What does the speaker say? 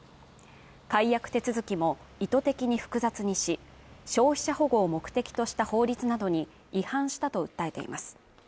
解約手続きも意図的に複雑にし、消費者保護を目的とした法律などに違反したと訴えています